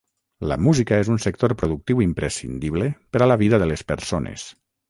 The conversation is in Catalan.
La música és un sector productiu imprescindible per a la vida de les persones.